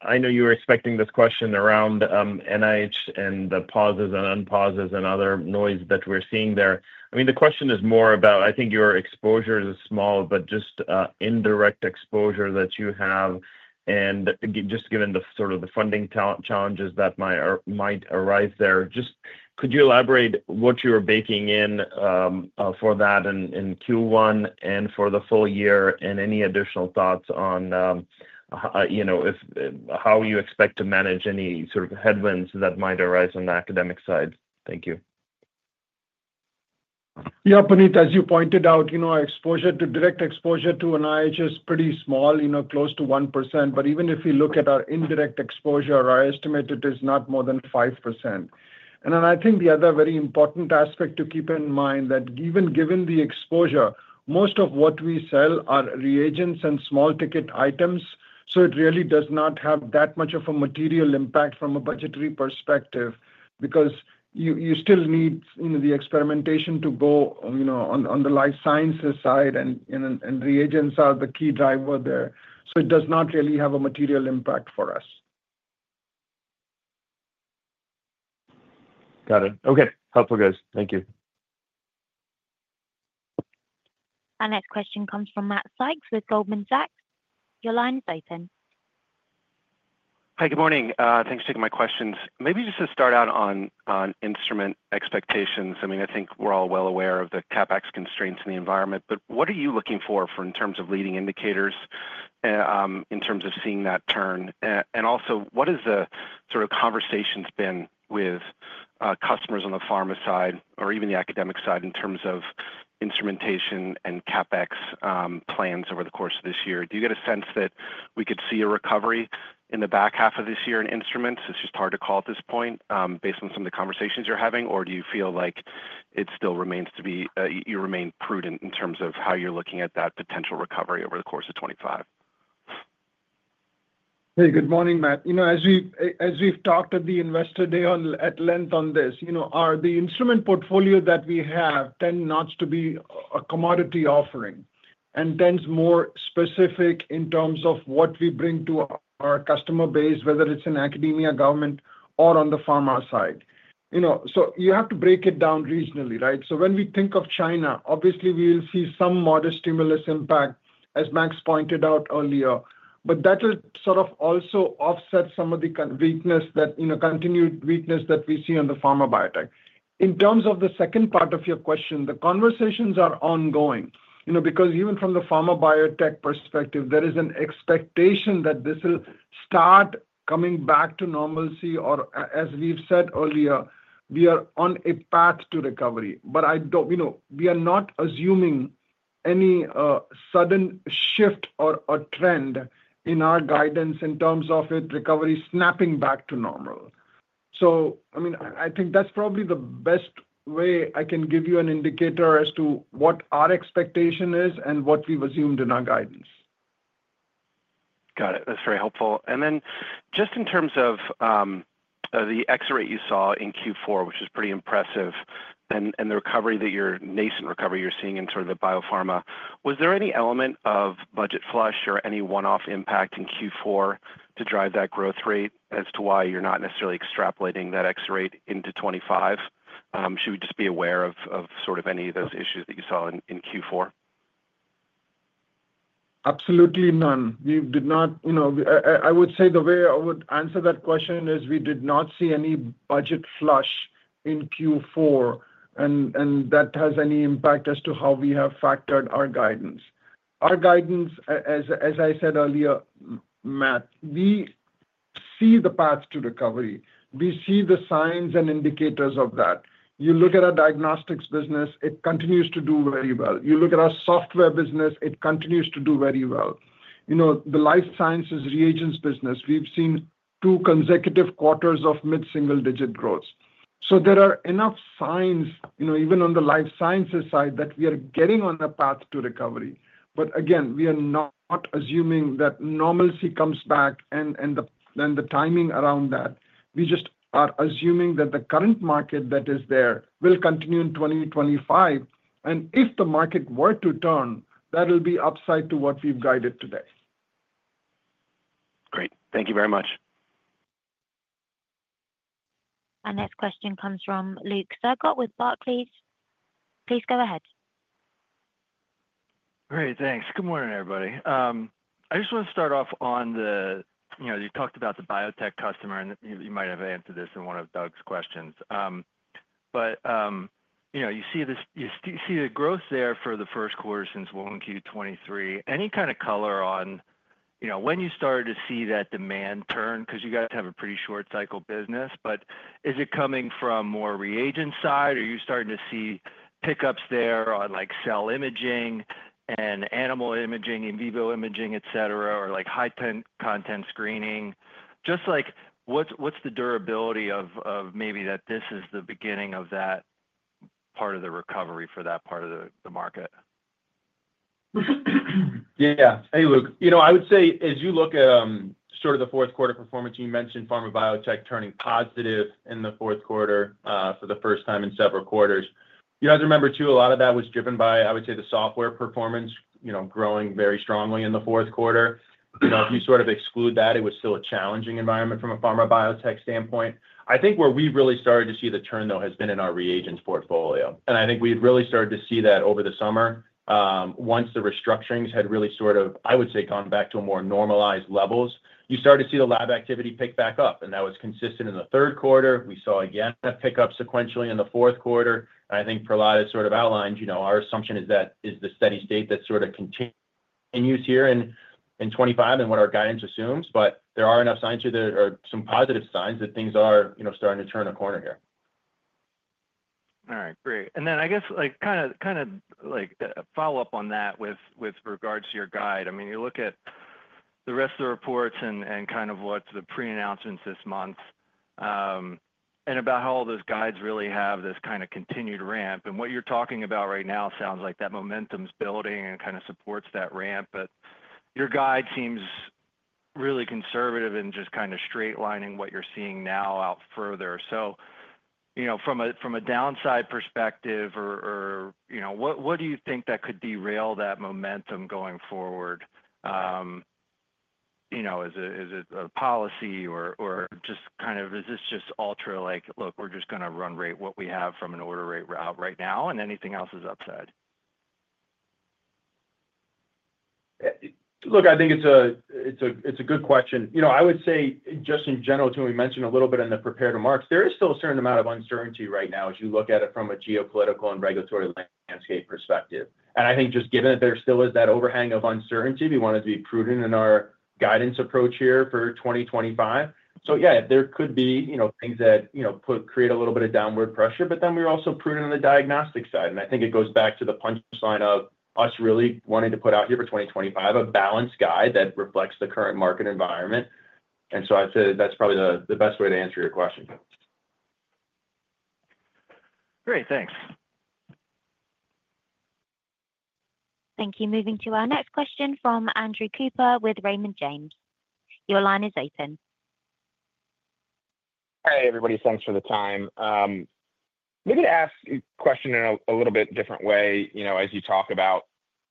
I know you were expecting this question around NIH and the pauses and unpauses and other noise that we're seeing there. I mean, the question is more about, I think your exposure is small, but just indirect exposure that you have. And just given the sort of the funding challenges that might arise there, just could you elaborate what you were baking in for that in Q1 and for the full year and any additional thoughts on how you expect to manage any sort of headwinds that might arise on the academic side? Thank you. Yeah. Puneet, as you pointed out, our direct exposure to NIH is pretty small, close to 1%. But even if we look at our indirect exposure, our estimate is not more than 5%. And then I think the other very important aspect to keep in mind that even given the exposure, most of what we sell are reagents and small ticket items. So it really does not have that much of a material impact from a budgetary perspective because you still need the experimentation to go on the life sciences side, and reagents are the key driver there. So it does not really have a material impact for us. Got it. Okay. Helpful, guys. Thank you. Our next question comes from Matt Sykes with Goldman Sachs. Your line is open. Hi. Good morning. Thanks for taking my questions. Maybe just to start out on instrument expectations. I mean, I think we're all well aware of the CapEx constraints in the environment, but what are you looking for in terms of leading indicators in terms of seeing that turn? And also, what has the sort of conversations been with customers on the pharma side or even the academic side in terms of instrumentation and CapEx plans over the course of this year? Do you get a sense that we could see a recovery in the back half of this year in instruments? It's just hard to call at this point based on some of the conversations you're having. Or do you feel like it still remains to be you remain prudent in terms of how you're looking at that potential recovery over the course of 2025? Hey, good morning, Matt. As we've talked at the investor day at length on this, the instrument portfolio that we have tends not to be a commodity offering and tends more specific in terms of what we bring to our customer base, whether it's in academia, government, or on the pharma side. So you have to break it down regionally, right? So when we think of China, obviously, we will see some modest stimulus impact, as Max pointed out earlier, but that will sort of also offset some of the continued weakness that we see on the pharma biotech. In terms of the second part of your question, the conversations are ongoing because even from the pharma biotech perspective, there is an expectation that this will start coming back to normalcy. Or as we've said earlier, we are on a path to recovery. But we are not assuming any sudden shift or trend in our guidance in terms of it recovery snapping back to normal. So I mean, I think that's probably the best way I can give you an indicator as to what our expectation is and what we've assumed in our guidance. Got it. That's very helpful. Then just in terms of the upside you saw in Q4, which was pretty impressive, and the nascent recovery you're seeing in sort of the biopharma, was there any element of budget flush or any one-off impact in Q4 to drive that growth rate as to why you're not necessarily extrapolating that upside into 2025? Should we just be aware of sort of any of those issues that you saw in Q4? Absolutely none. We did not. I would say the way I would answer that question is we did not see any budget flush in Q4, and that has any impact as to how we have factored our guidance. Our guidance, as I said earlier, Matt, we see the path to recovery. We see the signs and indicators of that. You look at our diagnostics business, it continues to do very well. You look at our software business, it continues to do very well. The life sciences reagents business, we've seen two consecutive quarters of mid-single digit growth. So there are enough signs, even on the life sciences side, that we are getting on the path to recovery. But again, we are not assuming that normalcy comes back and the timing around that. We just are assuming that the current market that is there will continue in 2025. And if the market were to turn, that will be upside to what we've guided today. Great. Thank you very much. Our next question comes from Luke Sergott with Barclays. Please go ahead. All right. Thanks. Good morning, everybody. I just want to start off on the you talked about the biotech customer, and you might have answered this in one of Doug's questions. But you see the growth there for the first quarter since Q1, Q2, Q3. Any kind of color on when you started to see that demand turn? Because you guys have a pretty short-cycle business, but is it coming from more reagent side, or are you starting to see pickups there on cell imaging and animal imaging, in vivo imaging, etc., or high-content screening? Just what's the durability of maybe that this is the beginning of that part of the recovery for that part of the market? Yeah. Hey, Luke. I would say as you look at sort of the fourth quarter performance, you mentioned pharma biotech turning positive in the fourth quarter for the first time in several quarters. You have to remember, too, a lot of that was driven by, I would say, the software performance growing very strongly in the fourth quarter. If you sort of exclude that, it was still a challenging environment from a pharma biotech standpoint. I think where we've really started to see the turn, though, has been in our reagents portfolio. And I think we had really started to see that over the summer once the restructurings had really sort of, I would say, gone back to more normalized levels. You started to see the lab activity pick back up, and that was consistent in the third quarter. We saw, again, a pickup sequentially in the fourth quarter. And I think Prahlad has sort of outlined our assumption is that is the steady state that sort of continues here in 2025 and what our guidance assumes. But there are enough signs here that are some positive signs that things are starting to turn a corner here. All right. Great. And then I guess kind of follow up on that with regards to your guide. I mean, you look at the rest of the reports and kind of what's the pre-announcements this month and about how all those guides really have this kind of continued ramp. And what you're talking about right now sounds like that momentum's building and kind of supports that ramp. But your guide seems really conservative in just kind of straightlining what you're seeing now out further. So from a downside perspective, what do you think that could derail that momentum going forward? Is it a policy or just kind of is this just ultra like, "Look, we're just going to run rate what we have from an order rate right now," and anything else is upside? Look, I think it's a good question. I would say just in general, too, we mentioned a little bit in the prepared remarks, there is still a certain amount of uncertainty right now as you look at it from a geopolitical and regulatory landscape perspective. And I think just given that there still is that overhang of uncertainty, we wanted to be prudent in our guidance approach here for 2025. So yeah, there could be things that create a little bit of downward pressure, but then we're also prudent on the diagnostic side. And I think it goes back to the punchline of us really wanting to put out here for 2025 a balanced guide that reflects the current market environment. And so I'd say that's probably the best way to answer your question. Great. Thanks. Thank you. Moving to our next question from Andrew Cooper with Raymond James. Your line is open. Hey, everybody. Thanks for the time. Maybe to ask a question in a little bit different way as you talk about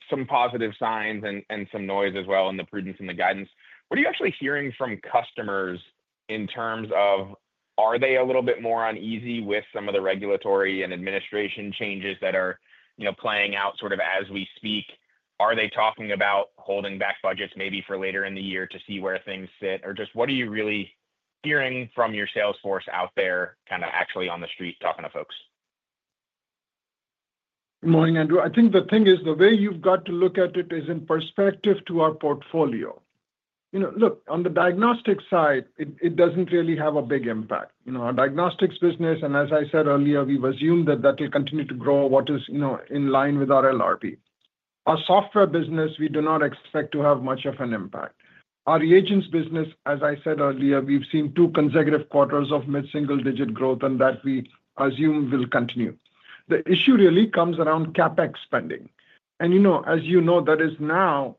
some positive signs and some noise as well in the prudence and the guidance. What are you actually hearing from customers in terms of, are they a little bit more uneasy with some of the regulatory and administration changes that are playing out sort of as we speak? Are they talking about holding back budgets maybe for later in the year to see where things sit? Or just what are you really hearing from your salesforce out there kind of actually on the street talking to folks? Good morning, Andrew. I think the thing is the way you've got to look at it is in perspective to our portfolio. Look, on the diagnostic side, it doesn't really have a big impact. Our diagnostics business, and as I said earlier, we've assumed that that will continue to grow, which is in line with our LRP. Our software business, we do not expect to have much of an impact. Our reagents business, as I said earlier, we've seen two consecutive quarters of mid-single digit growth, and that we assume will continue. The issue really comes around CapEx spending. And as you know, that is now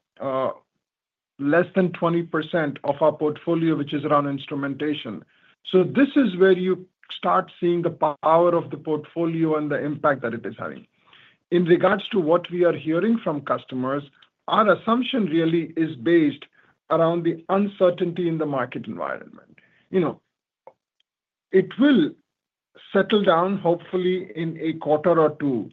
less than 20% of our portfolio, which is around instrumentation. So this is where you start seeing the power of the portfolio and the impact that it is having. In regards to what we are hearing from customers, our assumption really is based around the uncertainty in the market environment. It will settle down, hopefully, in a quarter or two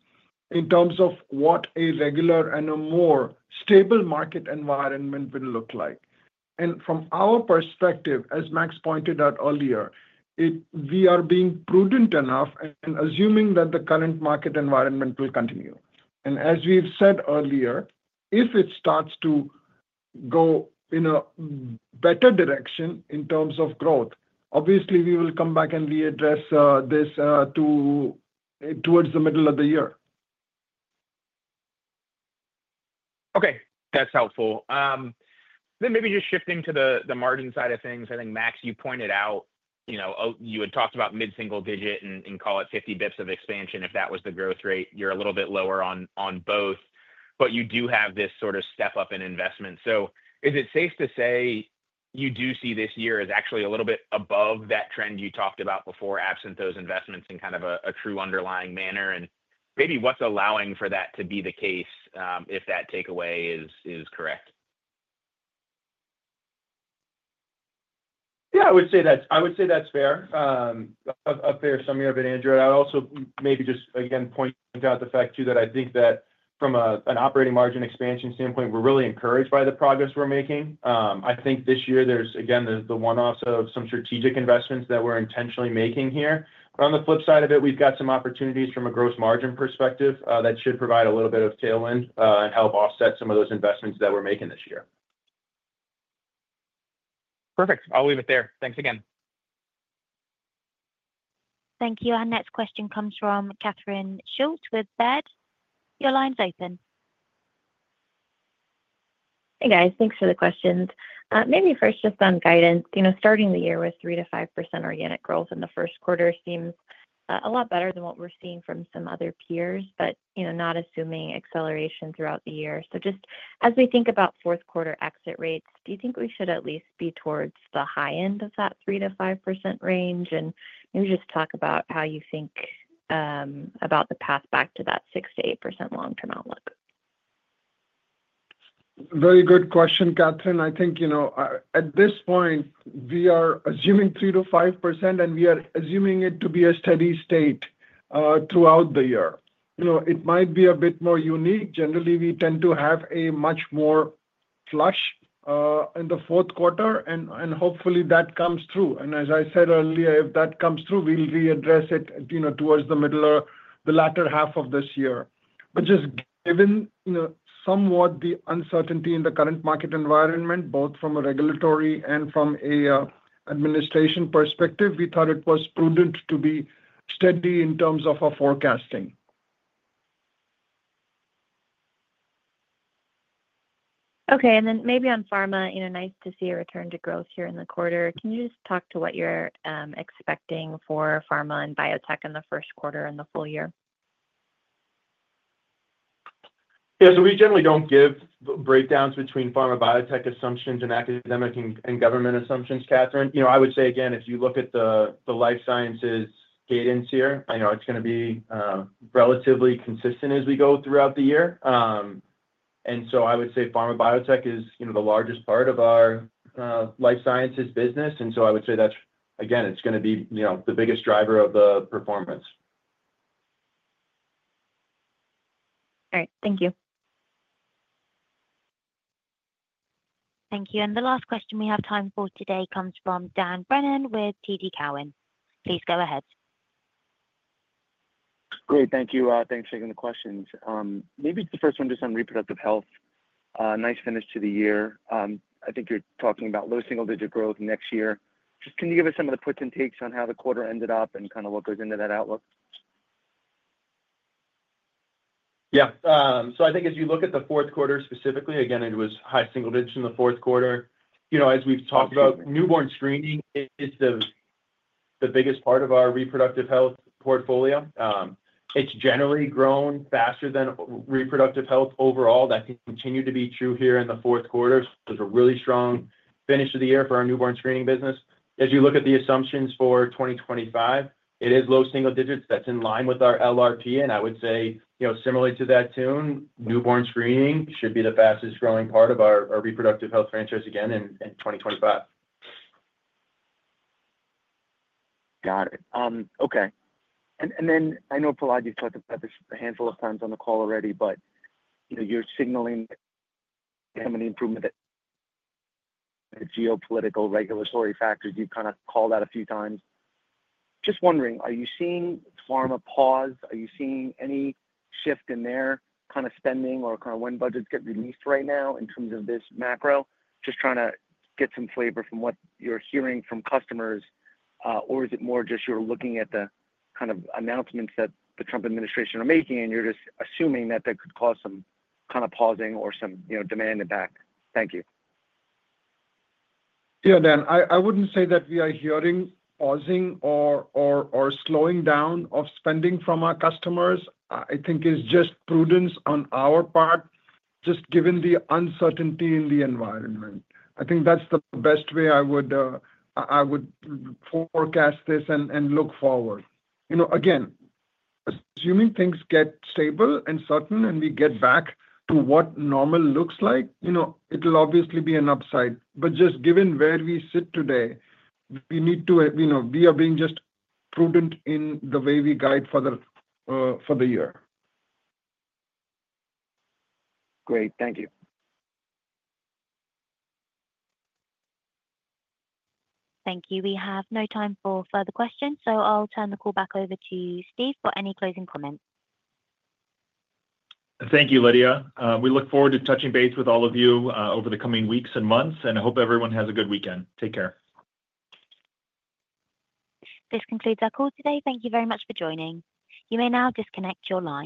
in terms of what a regular and a more stable market environment will look like. From our perspective, as Max pointed out earlier, we are being prudent enough and assuming that the current market environment will continue. As we've said earlier, if it starts to go in a better direction in terms of growth, obviously, we will come back and readdress this towards the middle of the year. Okay. That's helpful. Maybe just shifting to the margin side of things. I think, Max, you pointed out you had talked about mid-single digit and call it 50 basis points of expansion if that was the growth rate. You're a little bit lower on both, but you do have this sort of step-up in investment. Is it safe to say you do see this year as actually a little bit above that trend you talked about before absent those investments in kind of a true underlying manner? And maybe what's allowing for that to be the case if that takeaway is correct? Yeah. I would say that's fair. Up there is some of your opinions, Andrew. I'd also maybe just, again, point out the fact, too, that I think that from an operating margin expansion standpoint, we're really encouraged by the progress we're making. I think this year, there's, again, the one-offs of some strategic investments that we're intentionally making here. But on the flip side of it, we've got some opportunities from a gross margin perspective that should provide a little bit of tailwind and help offset some of those investments that we're making this year. Perfect. I'll leave it there. Thanks again. Thank you. Our next question comes from Catherine Schulte with Baird. Your line's open. Hey, guys. Thanks for the questions. Maybe first, just on guidance. Starting the year with 3%-5% organic growth in the first quarter seems a lot better than what we're seeing from some other peers, but not assuming acceleration throughout the year. So just as we think about fourth-quarter exit rates, do you think we should at least be towards the high end of that 3%-5% range? And maybe just talk about how you think about the path back to that 6%-8% long-term outlook. Very good question, Catherine. I think at this point, we are assuming 3%-5%, and we are assuming it to be a steady state throughout the year. It might be a bit more unique. Generally, we tend to have a much more flush in the fourth quarter, and hopefully, that comes through. And as I said earlier, if that comes through, we'll readdress it towards the middle or the latter half of this year. But just given somewhat the uncertainty in the current market environment, both from a regulatory and from an administration perspective, we thought it was prudent to be steady in terms of our forecasting. Okay. And then maybe on pharma, nice to see a return to growth here in the quarter. Can you just talk to what you're expecting for pharma and biotech in the first quarter in the full year? Yeah. So we generally don't give breakdowns between pharma biotech assumptions and academic and government assumptions, Catherine. I would say, again, if you look at the life sciences cadence here, it's going to be relatively consistent as we go throughout the year. And so I would say pharma biotech is the largest part of our life sciences business. And so I would say that's, again, it's going to be the biggest driver of the performance. All right. Thank you. Thank you. And the last question we have time for today comes from Dan Brennan with TD Cowen. Please go ahead. Great. Thank you. Thanks for taking the questions. Maybe the first one is just on reproductive health. Nice finish to the year. I think you're talking about low single-digit growth next year. Just can you give us some of the puts and takes on how the quarter ended up and kind of what goes into that outlook? Yeah. So I think as you look at the fourth quarter specifically, again, it was high single digits in the fourth quarter. As we've talked about, newborn screening is the biggest part of our reproductive health portfolio. It's generally grown faster than reproductive health overall. That can continue to be true here in the fourth quarter. It was a really strong finish of the year for our newborn screening business. As you look at the assumptions for 2025, it is low single digits. That's in line with our LRP. And I would say, similarly to that tune, newborn screening should be the fastest-growing part of our reproductive health franchise again in 2025. Got it. Okay. And then I know Prahlad you've talked about this a handful of times on the call already, but you're signaling some of the improvement that geopolitical regulatory factors you've kind of called out a few times. Just wondering, are you seeing pharma pause? Are you seeing any shift in their kind of spending or kind of when budgets get released right now in terms of this macro? Just trying to get some flavor from what you're hearing from customers, or is it more just you're looking at the kind of announcements that the Trump administration are making, and you're just assuming that that could cause some kind of pausing or some dialing back? Thank you. Yeah, Dan. I wouldn't say that we are hearing pausing or slowing down of spending from our customers. I think it's just prudence on our part, just given the uncertainty in the environment. I think that's the best way I would forecast this and look forward. Again, assuming things get stable and certain and we get back to what normal looks like, it'll obviously be an upside. But just given where we sit today, we need to be, we are being just prudent in the way we guide for the year. Great. Thank you. Thank you. We have no time for further questions, so I'll turn the call back over to Steve for any closing comments. Thank you, Lydia. We look forward to touching base with all of you over the coming weeks and months, and I hope everyone has a good weekend. Take care. This concludes our call today. Thank you very much for joining. You may now disconnect your line.